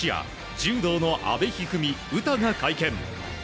柔道の阿部一二三、詩が会見。